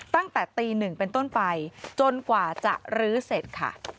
ตั้งแต่ตีหนึ่งเป็นต้นไปจนกว่าจะรื้อเสร็จค่ะ